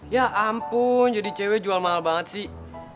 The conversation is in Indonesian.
ya ampun jadi cewek jual mahal banget sih